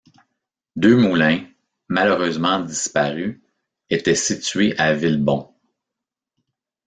Deux moulins, malheureusement disparus, étaient situés à Villebon.